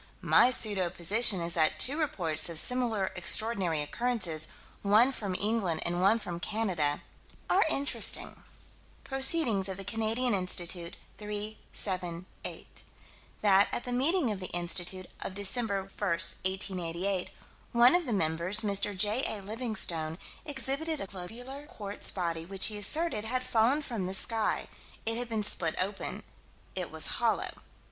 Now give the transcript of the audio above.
My pseudo position is that two reports of similar extraordinary occurrences, one from England and one from Canada are interesting. Proc. Canadian Institute, 3 7 8: That, at the meeting of the Institute, of Dec. 1, 1888, one of the members, Mr. J.A. Livingstone, exhibited a globular quartz body which he asserted had fallen from the sky. It had been split open. It was hollow.